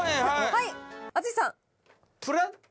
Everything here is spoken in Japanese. はい淳さん。